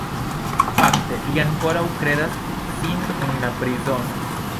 Fakte, li ankoraŭ kredas sin en la prizono.